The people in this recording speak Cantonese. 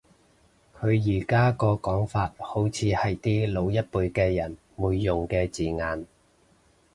佢而家個講法好似係啲老一輩嘅人會用嘅字眼